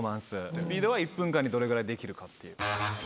スピードは１分間にどれぐらいできるかっていう。